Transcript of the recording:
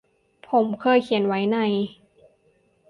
ผมเคยเขียนไว้ใน